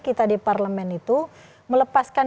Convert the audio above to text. kita di parlemen itu melepaskan